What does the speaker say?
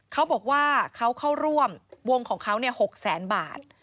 เขาบอกว่าเขาเข้าร่วมวงของเขา๖แสนบาท